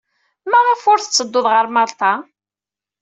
Maɣef ur tettedduḍ ɣer Malṭa?